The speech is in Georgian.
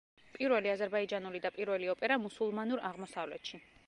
პირველი აზერბაიჯანული და პირველი ოპერა მუსულმანურ აღმოსავლეთში.